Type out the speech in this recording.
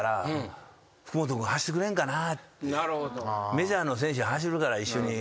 メジャーの選手走るから一緒に。